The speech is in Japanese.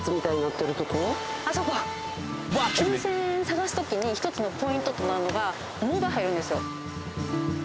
探すときに一つのポイントとなるのが藻が生えるんですよ